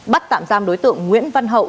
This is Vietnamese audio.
bắt tạm giam đối tượng nguyễn văn hậu